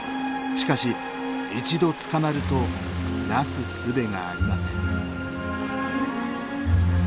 しかし一度捕まるとなすすべがありません。